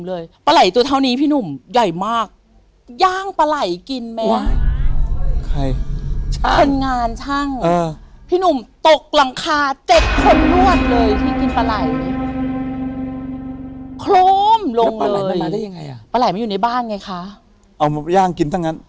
เอามันย่างกินทั้งงั้น